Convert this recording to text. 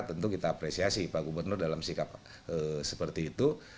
tentu kita apresiasi pak gubernur dalam sikap seperti itu